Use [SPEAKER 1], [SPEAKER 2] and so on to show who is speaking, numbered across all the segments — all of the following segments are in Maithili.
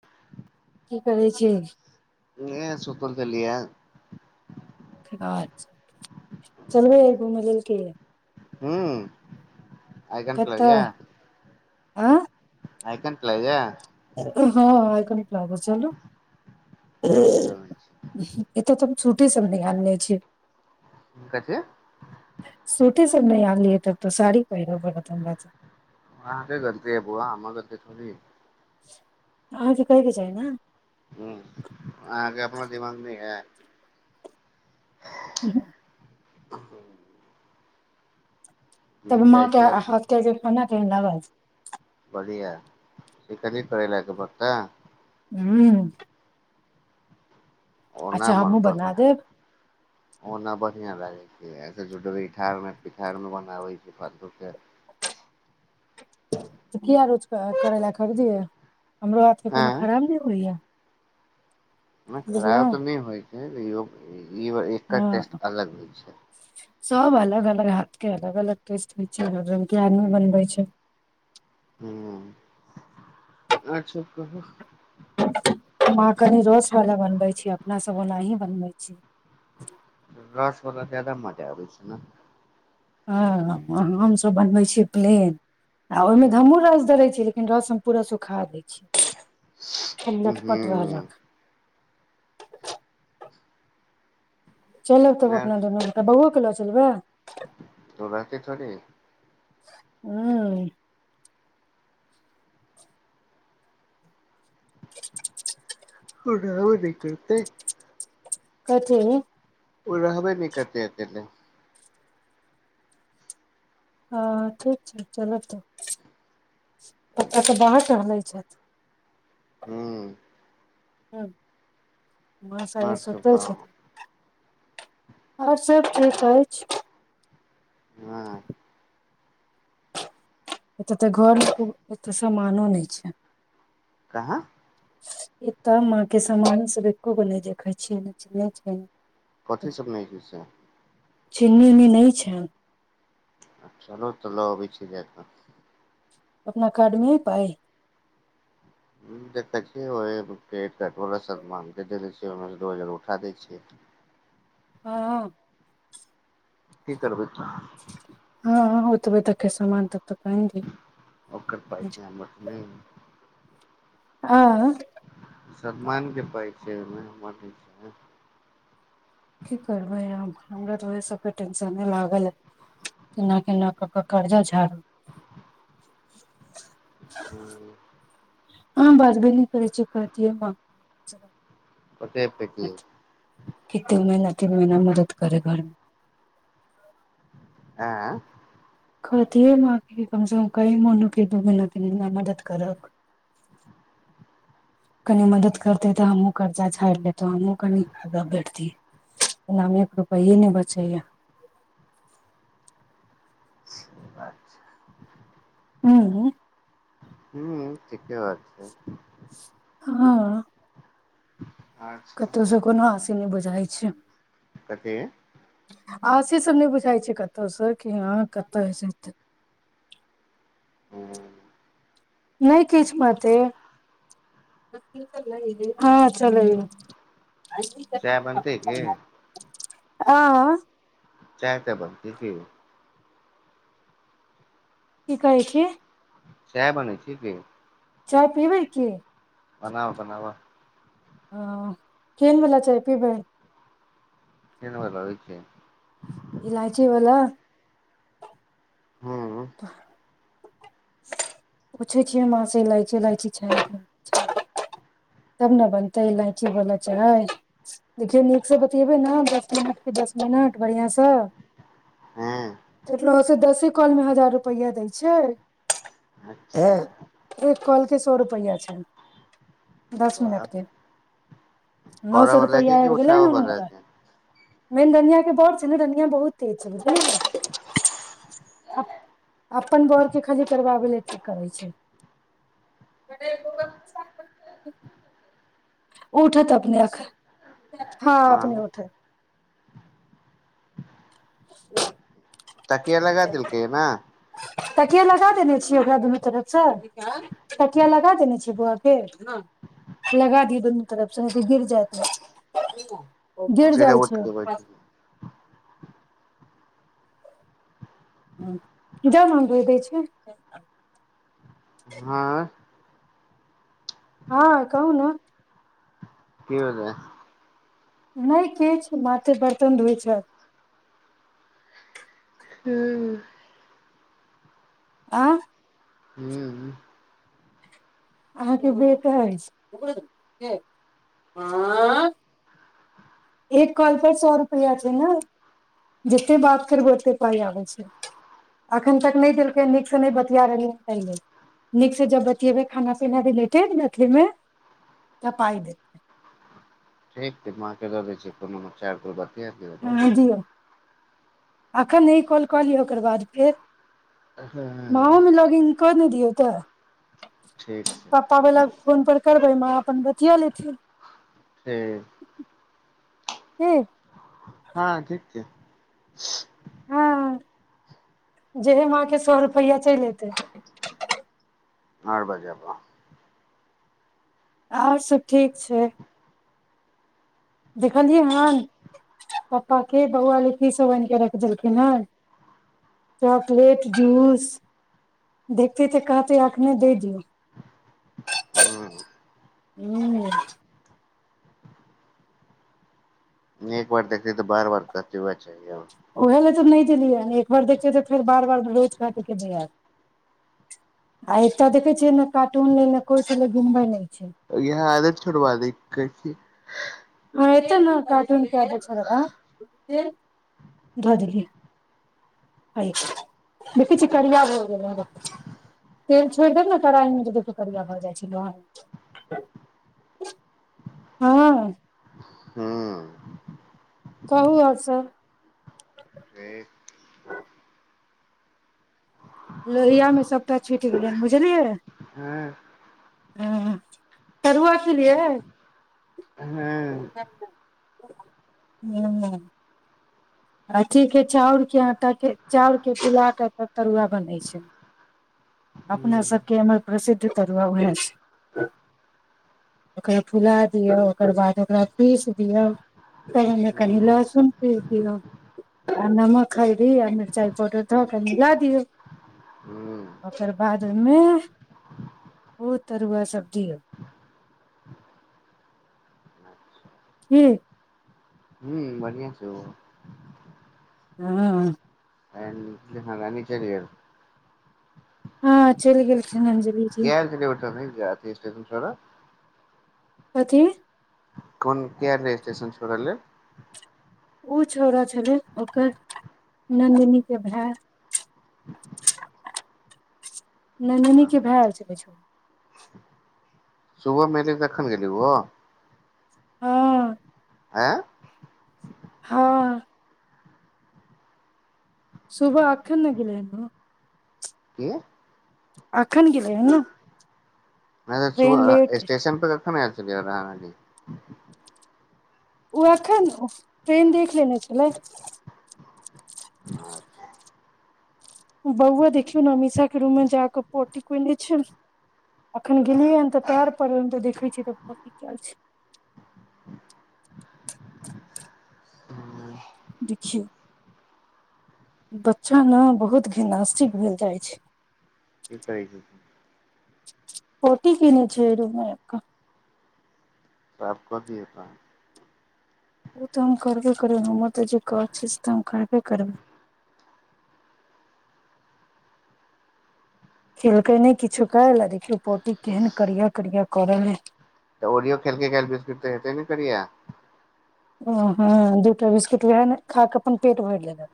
[SPEAKER 1] [unintelligible]
[SPEAKER 2] की करै छै
[SPEAKER 1] ए सुतल त लिय
[SPEAKER 2] छा चलबे ह घूमय लेल क
[SPEAKER 1] हू आइ कनट ल
[SPEAKER 2] कतऽ
[SPEAKER 1] भया
[SPEAKER 2] आँ
[SPEAKER 1] आइकनट ल य
[SPEAKER 2] हँ आकन लब चलू ततम सूटे सब नहि आनिय छिय
[SPEAKER 1] कह छै
[SPEAKER 2] के नहि आलै तब साड़ी पहिरऽ पड़त हमरा तऽ
[SPEAKER 1] आह त गनती है बौआ आमे नी
[SPEAKER 2] अहाँके कैके छैइ ने
[SPEAKER 1] ह अहाँके अपनो दिमाग नहि या
[SPEAKER 2] ह
[SPEAKER 1] ह [inaudible]
[SPEAKER 2] त माँ क
[SPEAKER 1] छै अपन।
[SPEAKER 2] हाथ क जे खा क लग [unintelligible]
[SPEAKER 1] कनि करै ल फकत
[SPEAKER 2] हू
[SPEAKER 1] ओ नहि
[SPEAKER 2] हमहुँ
[SPEAKER 1] मनप
[SPEAKER 2] बना देब
[SPEAKER 1] ओना ब बढ़आ लागै छै जुठार पिठार मे बनाबै छै फालतू के
[SPEAKER 2] किया रोज करै ला खरीदिय हमरो हाथके कोनो खराब नहि होइया
[SPEAKER 1] खराो
[SPEAKER 2] बुझलहु
[SPEAKER 1] तऽ न होय ह रो ई एकर
[SPEAKER 2] हँ
[SPEAKER 1] टेस्ट अलग होइ छै
[SPEAKER 2] सब अलग अलग हाथ के अलग अलग टेस्ट होइ छै हर रंगग के आदमी बनबै छै
[SPEAKER 1] ह अचछा कह
[SPEAKER 2] हमाँ कनि रोसवला बनबै छी अपनासँ ओनाही बनबै छी
[SPEAKER 1] रस वला ताद म आबै छै ने
[SPEAKER 2] हँ हमसभ बनबै छियै प्लेन आ ओहिमे ध हमहूँ रस धरै छै इ पूरा सुखा दे लटपट रहलक चलब तब
[SPEAKER 1] ह
[SPEAKER 2] अपना दुनू घंटा बौओ के लऽ चलबै
[SPEAKER 1] तो रहते थोड़े
[SPEAKER 2] हँ
[SPEAKER 1] ओब द करतै
[SPEAKER 2] कथे
[SPEAKER 1] ओ रहबे नहि करते अतने
[SPEAKER 2] हँ ठीक छै चल त पा तऽ बाहर चै [unintelligible]
[SPEAKER 1] ह्म
[SPEAKER 2] ह्म माँस
[SPEAKER 1] आर सब
[SPEAKER 2] सोचे
[SPEAKER 1] कहु
[SPEAKER 2] छथिन आओर सभ ठीक अछि
[SPEAKER 1] हँ
[SPEAKER 2] [unintelligible] एतय तऽ घरमे एतऽ सामानो नहि छै
[SPEAKER 1] कहाँ
[SPEAKER 2] ए त माँ के समामान सब एकोगो नहि देखे छियै न छै
[SPEAKER 1] कथी सब नहि छै से
[SPEAKER 2] चीनी नह छै
[SPEAKER 1] चलो त लोभी छी जात
[SPEAKER 2] अपना कार्डमेी पाइ
[SPEAKER 1] ह देखै छियै मागकेेै छ ओहिमे दू हजार उठा दै छियै
[SPEAKER 2] हँ
[SPEAKER 1] की करबत ने
[SPEAKER 2] हँ ओतबै तक समान त
[SPEAKER 1] ओकरट पाय छै हम नहि
[SPEAKER 2] आ
[SPEAKER 1] सलमानके पाइ छै ओहिमे म छै
[SPEAKER 2] की करबै हमरा तऽ ओह सभके टेंशने लागल केना केना कऽ कऽ कर्जा झाड़ू
[SPEAKER 1] हू
[SPEAKER 2] हँ बाद भ न करै छै कहती ह
[SPEAKER 1] कते पे की
[SPEAKER 2] कतेक महिीना तीन महिीना मदद करे घरमे [unintelligible]
[SPEAKER 1] आँ
[SPEAKER 2] कहति कम से कम क मोनूके दू महना ती मदद करब कनि मदद करते तऽ हमहुँ कर्जा छाड़ि लेतो हमहुूँ कनि आग बैठतियैनामे एक रुपे नहि बचैय
[SPEAKER 1] अच्छा
[SPEAKER 2] हू
[SPEAKER 1] हू ठीके बात छै
[SPEAKER 2] हँ
[SPEAKER 1] ह
[SPEAKER 2] कतू सु कोन वास से नहि बझाइ छै
[SPEAKER 1] कथे
[SPEAKER 2] आ से सब नहि बुझााय छै कतहु से कि ह कतऽ ह छै
[SPEAKER 1] ह
[SPEAKER 2] नहि किछु मात हँ चलैय
[SPEAKER 1] चाय बनतै की
[SPEAKER 2] आ
[SPEAKER 1] चाय त बनत पी
[SPEAKER 2] की कहै छी
[SPEAKER 1] सह बनै छै क
[SPEAKER 2] चाय पीबै की
[SPEAKER 1] बनाबऽ
[SPEAKER 2] ह केन बला चाह पीब
[SPEAKER 1] एन बल हो छै
[SPEAKER 2] इलायची बला
[SPEAKER 1] हूँ
[SPEAKER 2] तऽ पूछै छियै हमहाँसँ इलायची इलाायची छाय तब ने बनतै इलायची बला ची देखियौ नीकसँ बतियेबै ने दस मिनटके दस मिनट बढ़िआँसँ
[SPEAKER 1] हूँ
[SPEAKER 2] तल दसे कॉल में हजार रुपैआ दै छै ह
[SPEAKER 1] अच्छा
[SPEAKER 2] एक कल सए रुपैआ छै दस
[SPEAKER 1] वाह
[SPEAKER 2] मिनटके नओ
[SPEAKER 1] करऽ
[SPEAKER 2] सए
[SPEAKER 1] बला के
[SPEAKER 2] रुपैआ
[SPEAKER 1] की
[SPEAKER 2] आबि गेलै
[SPEAKER 1] उठाबऽ
[SPEAKER 2] ने
[SPEAKER 1] बला
[SPEAKER 2] हुनका
[SPEAKER 1] के
[SPEAKER 2] मेन धनिय के बड़ छै ने धनिया बहुत तेज छै बुझलिय अपन बड़ के खाली करबाबै ल ठी करै छै ब बो ब [unintelligible] उठत अपने अख हँ अपने उठ ह
[SPEAKER 1] ताकििया लगा देलकै ने
[SPEAKER 2] तटकिया लगा देने छियै ओकरा दुनू तरफसँ तटकिया लगा देने छियै बौआ के लगा दिय दुनू तरफसँ यदि गिर जायत गिर
[SPEAKER 1] सीधे
[SPEAKER 2] जाइ
[SPEAKER 1] उठ
[SPEAKER 2] छै
[SPEAKER 1] के बैठ
[SPEAKER 2] जान भ दै छै
[SPEAKER 1] हँ
[SPEAKER 2] हँ कहू ने
[SPEAKER 1] की बतै
[SPEAKER 2] नहि किछु माटे बर्तन धोइत छथि
[SPEAKER 1] हू
[SPEAKER 2] आऑ
[SPEAKER 1] हू
[SPEAKER 2] अहाँके बेटा अछि एक कॉल परर सए रुपैआ छै ने जतेक बात फेरबै ओतेक पाइ आबै छै एखन तक नहि देलकै नीकसँ नहि बतििया रहलै ता लेल नीकसँ जब बतियेबै खाना पीना रिलेटेड मैथिलीमे तऽ पाइ देतै
[SPEAKER 1] ठीक त माँ के दऽ दै छी त म चार बाद क बहु
[SPEAKER 2] एखन एइ कॉल कऽ लियौ ओकर बाद फेर माँ ओ
[SPEAKER 1] हँ
[SPEAKER 2] मे लॉगइन कर ने दिऔ
[SPEAKER 1] ठीक
[SPEAKER 2] तऽ
[SPEAKER 1] छै
[SPEAKER 2] पापा वला फोन पर करबै माँ अपन बतिया लेथिन
[SPEAKER 1] ठीक
[SPEAKER 2] हू
[SPEAKER 1] हँ ठीक छै
[SPEAKER 2] जेह माँके सए रुपैआ चलि एतै
[SPEAKER 1] आठ बाजब
[SPEAKER 2] आओर सभ ठीक छै देखललियै हन पपा के बौआ की सब आइन कऽ रखि देलखिन हँ चॉकलेट जूस देखतै तऽ कहतै अखने द दियौ
[SPEAKER 1] हँ
[SPEAKER 2] हू
[SPEAKER 1] एक बार देखतै तऽ बार बार कहतै वैह चाहि आउर
[SPEAKER 2] उहे ले तऽ नहि देलियै एक बार देखियै तऽ फेर बार बार रोज कहतै के दे आउ एकटा देखे छियै न कारटून लेल न को घिनबे नहि छै
[SPEAKER 1] यह आदत छोड़ब दै छियै
[SPEAKER 2] ह एते न कारटून के आदत छेरा आइ ध देलियै आय देखै छियै करिया भ गेल तेल छोड़ देब न कराहि मे जे बिलकुल करिया भऽ जाइ छै न हँ
[SPEAKER 1] हू
[SPEAKER 2] कहू आउर सब
[SPEAKER 1] ठिक
[SPEAKER 2] लोहिया मे सबटा छुइट गेलै बुझलियै
[SPEAKER 1] हँ
[SPEAKER 2] हँ तरुआ खेलियै
[SPEAKER 1] हँ
[SPEAKER 2] हू अथि के चाउरके आटाके चाउरके फुला कऽ तब तरुआ बनै छै अपना
[SPEAKER 1] हूँ
[SPEAKER 2] सभके इमहर प्रसिद्ध तरुआ उएह छै ओकरा फुला दियो ओकर बाद ओकरा पीस दियौ तहन ओहिमे कनि
[SPEAKER 1] हूँ
[SPEAKER 2] लहसुन पीस दियौ आ नमक हरीदी आ मिरचाइ पाउडर धऽ कऽ मला दियौ ओकर बाद ओहिमे ओ तरुआ सब दियौ की
[SPEAKER 1] हू बढ़िआ छै ओ
[SPEAKER 2] हँ
[SPEAKER 1] [unintelligible] रानी चइल गेल
[SPEAKER 2] हँ चलि गेल
[SPEAKER 1] के आइल छलै ओटो मे यै [unintelligible]
[SPEAKER 2] कथी
[SPEAKER 1] कोन के आ रेजिस्ट्रेशन छ रहल रहलै
[SPEAKER 2] ओ छौड़ा छलै ओकर नन्दिनीके भाय नन्दिनीके भाई आइल छले
[SPEAKER 1] सुबह मे एले तऽ अखन गेले ओ
[SPEAKER 2] हँ
[SPEAKER 1] आँ
[SPEAKER 2] हँ सुबह अखन न भेलै हँ
[SPEAKER 1] की नहि
[SPEAKER 2] अखन गेलै है ने
[SPEAKER 1] नहि
[SPEAKER 2] ट्रेन
[SPEAKER 1] सुबह
[SPEAKER 2] लेट
[SPEAKER 1] स्टेशन पर कखन आइल रही
[SPEAKER 2] ओ एखन ट्रेन देख लेने छलै
[SPEAKER 1] अच्छा,
[SPEAKER 2] बौआ देखियौ ने अमीषा के रूम मे जा कऽ पोटी कने छै अखन गेलिय तऽ पैर पर तऽ देखै छी तऽ पोटी कैल छै देखियो बच्चा ने बहुत घी नास्तिक भेल जाइ छै
[SPEAKER 1] की करै छी
[SPEAKER 2] पोटी कने छै रूम मे रूप म आइब कऽ
[SPEAKER 1] क दिय त
[SPEAKER 2] ओ तऽ हम करबे करबै हमूँ तऽ जे कह छी से तऽ हम करबे करबै खेलकै नहि किछो कयल आ देखियौ पोटी केहन करिया करिया कऽ रहल अइ
[SPEAKER 1] तऽ ओरियो खेलके ख बिस्कुट तऽ हेते ने करियै
[SPEAKER 2] ओ हँ दू टा बिस्कुट उएह ने खा कऽ अपन पेट भरि लेलक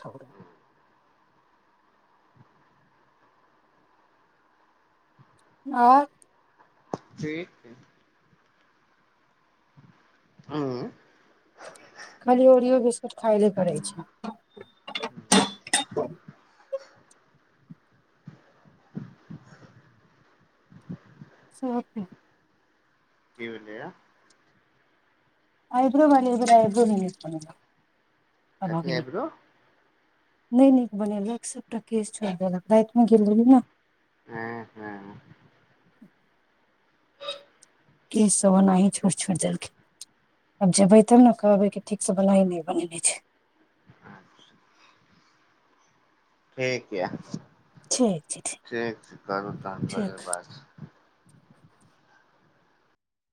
[SPEAKER 2] छौड़ आ
[SPEAKER 1] ठीक छै उंम्म
[SPEAKER 2] खाली ओरियो बिस्कुट खाायले करै छै साफ है
[SPEAKER 1] की भेलैया
[SPEAKER 2] आइब्रो वी एक बेर आइब्रो भ नीक बनेलक आ
[SPEAKER 1] कथी
[SPEAKER 2] नहि
[SPEAKER 1] आइब्रो
[SPEAKER 2] नीक बनेलक सबटा केश छोड़ देलक रातिमे गेल रहली ने
[SPEAKER 1] हँ हँ
[SPEAKER 2] किसभ ओनाही छोट छोड़ देलकै आब जेबै तब ने कहबै कि ठीकसँ ओनाही नहि बनेने छै
[SPEAKER 1] ठीक य
[SPEAKER 2] ठीक ठीक
[SPEAKER 1] ठ छै करू तन
[SPEAKER 2] छै।
[SPEAKER 1] फजे बात